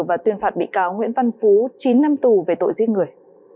và tuyên phạt bị cáo nguyễn văn phú chín năm tù về tội giết người